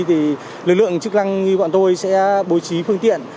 thì lực lượng chức năng như bọn tôi sẽ bố trí phương tiện